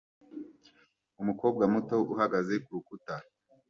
umukobwa muto uhagaze kurukuta